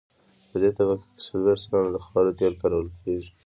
په دې طبقه کې څلویښت سلنه د خاورو تیل کارول کیږي